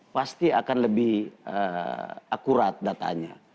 pasti akan lebih akurat datanya